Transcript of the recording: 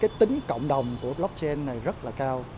cái tính cộng đồng của blockchain này rất là cao